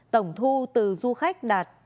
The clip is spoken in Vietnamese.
tổng thu từ du khách đạt